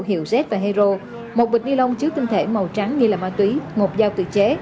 hiệu z và hero một bịch ni lông chứa tinh thể màu trắng nghi là ma túy một dao tự chế